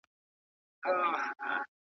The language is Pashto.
پر موسم د توتکیو په خندا چي سرې غوټۍ سي .